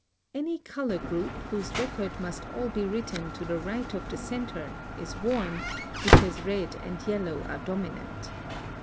(142) Any color group, whose record must all be written to the right of the centre, is warm, because red and yellow are dominant.